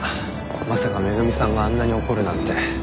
まさか恵美さんがあんなに怒るなんて。